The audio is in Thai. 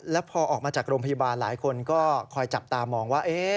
แล้วพอออกมาจากโรงพยาบาลหลายคนก็คอยจับตามองว่า